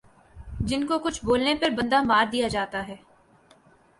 جن کو کچھ بولنے پر بندہ مار دیا جاتا ھے